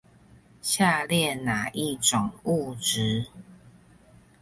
下列哪一種物質